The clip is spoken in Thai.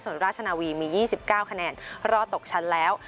ส่วนราชนาวีมี๒๙คะแนนรอดตกชั้นแล้ว